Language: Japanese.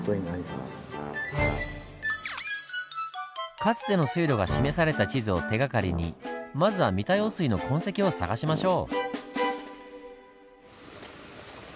かつての水路が示された地図を手がかりにまずは三田用水の痕跡を探しましょう。